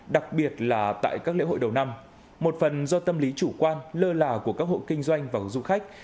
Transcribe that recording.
đặc biệt là tại các lễ hội đầu năm một phần do tâm lý chủ quan lơ là của các hộ kinh doanh và du khách